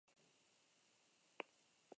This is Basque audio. Haiek urteak daramatzate kalean bizitzen.